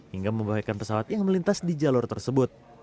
hingga membahayakan pesawat yang melintas di jalur tersebut